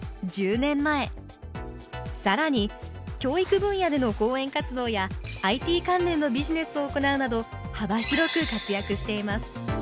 更に教育分野での講演活動やＩＴ関連のビジネスを行うなど幅広く活躍しています